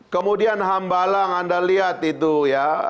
kemudian hambalang anda lihat itu ya